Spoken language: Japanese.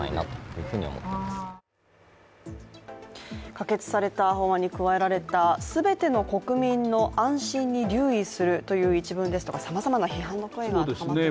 可決された法案に加えられた全ての国民の安心に留意するという一文ですとかさまざまな批判の声が高まっています。